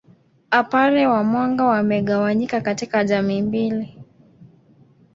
apare wa Mwanga wamegawanyika katika jamii mbili